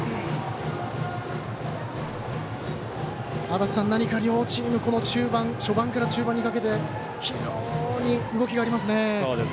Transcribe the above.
足達さん、何か両チーム序盤から中盤にかけて非常に動きがありますね。